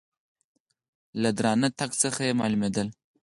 له درانه تګ څخه یې مالومېدل .